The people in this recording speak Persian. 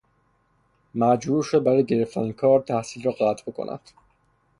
مجبور شد برای گرفتن کار تحصیل را قطع بکند.